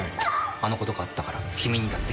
あのことがあったから君にだって。